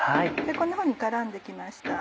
こんなふうに絡んで来ました。